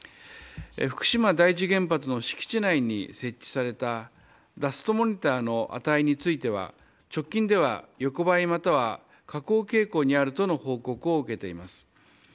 福島第一原発の敷地内に設置されたダストモニターの値については直近では横ばい、または下降傾向にあるとの報告を受けています。